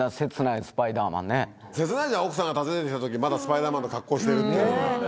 切ないじゃん奥さんが訪ねて来た時まだスパイダーマンの格好してるっていうのが。